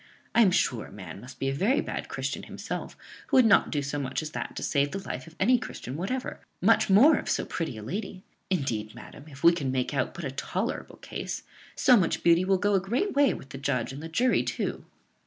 I am sure a man must be a very bad Christian himself who would not do so much as that to save the life of any Christian whatever, much more of so pretty a lady. Indeed, madam, if we can make out but a tolerable case, so much beauty will go a great way with the judge and the jury too."